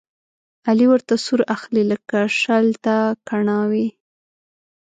علي ورته سور اخلي، لکه شل ته کڼاوې.